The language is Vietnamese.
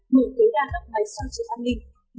mở tối đa lắp máy so chữa an ninh